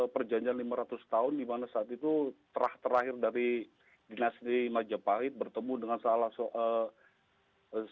perjanjian lima ratus tahun dimana saat itu terakhir dari dinasti majapahit bertemu dengan salah soal